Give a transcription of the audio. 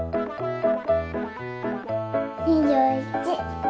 ２１。